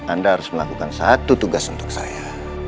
anda harus melakukan satu tugas untuk saya